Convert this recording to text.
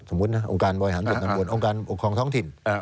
สมมุตินะองค์การบ่อยหาญส่วนจังหวัดองค์การของท้องถิ่น